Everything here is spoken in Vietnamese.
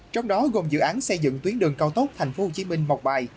trong đó gồm dự án xây dựng tuyến đường cao tốc thành phố hồ chí minh mọc bài